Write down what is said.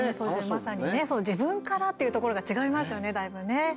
まさにね、自分からっていうところが違いますよねだいぶね。